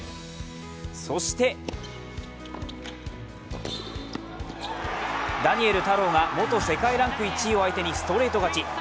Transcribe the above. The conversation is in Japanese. そしてダニエル太郎が元世界ランク１位を相手にストレート勝ち。